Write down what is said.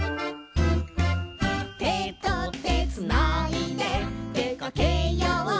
「てとてつないででかけよう」